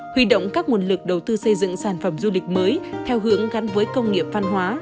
huy động các nguồn lực đầu tư xây dựng sản phẩm du lịch mới theo hướng gắn với công nghiệp văn hóa